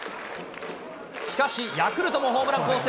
しかし、ヤクルトもホームラン攻勢。